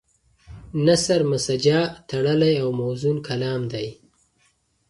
نثر مسجع تړلی او موزون کلام دی.